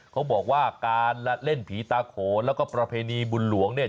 เขาบอกว่าการละเล่นผีตาโขนแล้วก็ประเพณีบุญหลวงเนี่ย